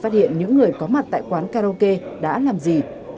phát hiện những người có mặt tại quán karaoke đã làm gì